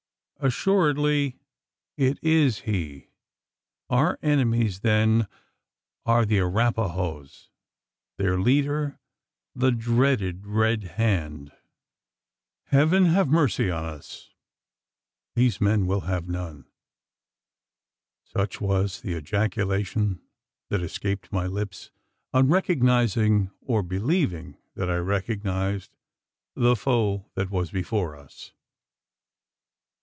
Assuredly it is he. Our enemies, then, are the Arapahoes their leader the dreaded Red Hand. "Heaven have mercy upon us! These men will have none!" Such was the ejaculation that escaped my lips, on recognising, or believing that I recognised, the foe that was before us.